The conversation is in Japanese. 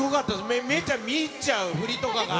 めちゃ見入っちゃう、振りとかが。